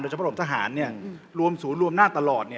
โดยเฉพาะร่วมทหารรวมศูนย์รวมนาตรตลอด